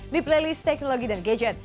di playlist teknologi dan gadget